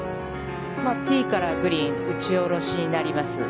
ティーからグリーン打ち下ろしになります。